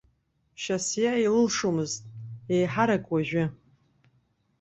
Шьасиа илылшомызт, еиҳарак уажәы.